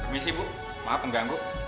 permisi bu maaf mengganggu